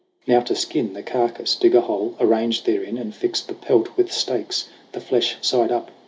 Now to skin The carcass, dig a hole, arrange therein And fix the pelt with stakes, the flesh side up.